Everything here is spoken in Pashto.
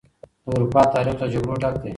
د اروپا تاريخ له جګړو ډک دی.